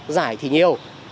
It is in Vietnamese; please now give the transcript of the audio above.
giải thì nhiều